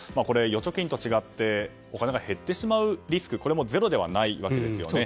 預貯金と違ってお金が減ってしまうリスクもゼロではないわけですよね。